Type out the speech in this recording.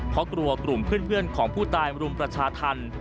เพราะกลัวกลุ่มเพื่อนของผู้ตายมารุมประชาธรรม